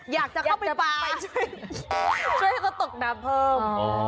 อยากจะเข้าไปปลาช่วยให้เขาตกน้ำเพิ่ม